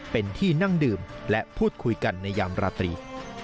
เป็นที่นั่งดื่มและพูดคุยกันในยามราตรี